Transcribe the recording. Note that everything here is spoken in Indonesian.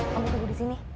kamu tunggu disini